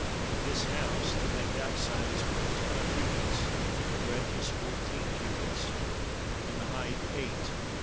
Of this house the length outside is one and twenty cubits, the breadth is fourteen cubits, and the height eight.